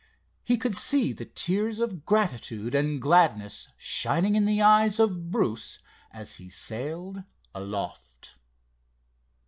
He could see the tears of gratitude and gladness shining in the eyes of Bruce as he sailed aloft.